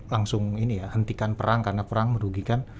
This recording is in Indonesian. langsung ini ya hentikan perang karena perang merugikan